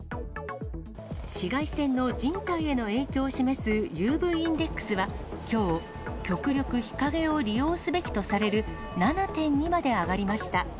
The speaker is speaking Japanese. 紫外線の人体への影響を示すＵＶインデックスはきょう、極力日陰を利用すべきとされる７．２まで上がりました。